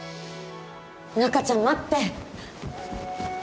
中ちゃん待って！